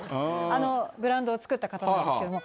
あのブランドをつくった方なんですけれども。